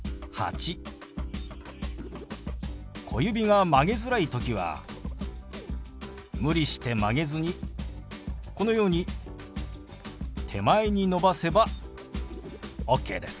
小指が曲げづらい時は無理して曲げずにこのように手前に伸ばせばオッケーです。